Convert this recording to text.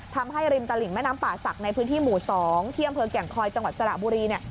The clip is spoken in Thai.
ทำให้ริมตลิ่งแม่น้ำป่าศักดิ์ในพื้นที่หมู่๒ที่อำเภอแก่งคอยจังหวัดสระบุรีเนี่ย